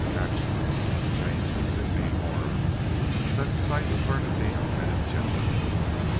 Action changed the sickening horror that sight of Bernardino had engendered.